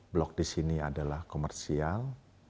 blok di sini adalah komersial